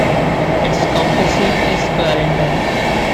Its county seat is Clarendon.